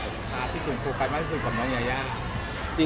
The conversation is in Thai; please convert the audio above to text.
ค่ะพี่ตุ๋นโครกัสมากกับน้องยาย่า